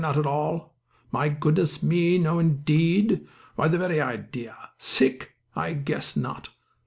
Not at all. My goodness me; no, indeed! Why, the very idea! Sick? I guess not!"